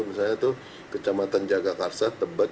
misalnya itu kecamatan jagakarsa tebet kebayaran lama kebayaran baru